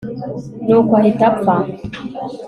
nuko ahita apfa